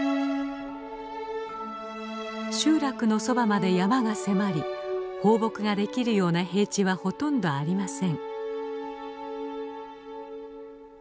集落のそばまで山が迫り放牧ができるような平地はほとんどありません。